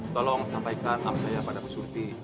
tolong sampaikan amat saya pada bu surdi